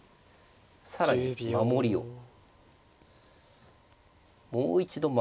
更に守りをもう一度守って。